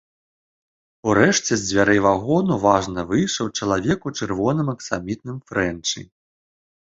Урэшце з дзвярэй вагону важна выйшаў чалавек у чырвоным аксамітным фрэнчы.